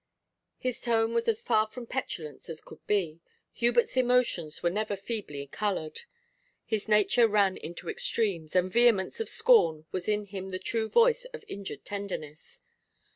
His tone was as far from petulance as could be. Hubert's emotions were never feebly coloured; his nature ran into extremes, and vehemence of scorn was in him the true voice of injured tenderness.